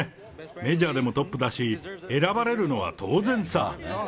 メジャーでもトップだし、選ばれるのは当然さ。